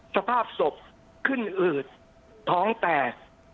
สภาพศพขึ้นอืดท้องแตก